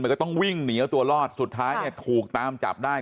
ก็ต้องวิ่งหนีเอาตัวรอดสุดท้ายเนี่ยถูกตามจับได้